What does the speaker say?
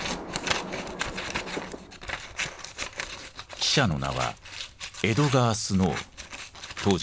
記者の名はエドガー・スノー当時３０歳。